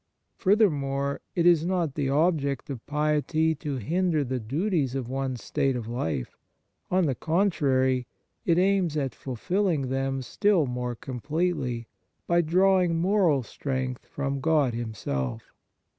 Furthermore, it is not the object of piety to hinder the duties of one's state of life; on the contrary, it aims at fulfilling them still more completely, by drawing moral strength from God Himself.